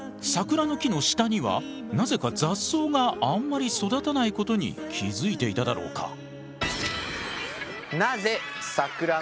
桜の木の下にはなぜか雑草があんまり育たないことに気付いていただろうか。